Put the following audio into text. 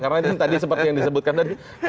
karena tadi seperti yang disebutkan tadi